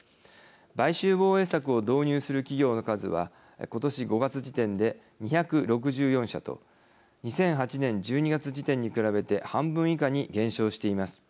買収防衛策を導入する企業の数は今年５月時点で、２６４社と２００８年１２月時点に比べて半分以下に減少しています。